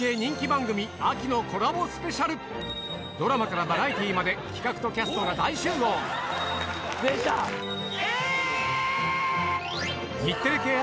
ドラマからバラエティーまで企画とキャストが大集合え！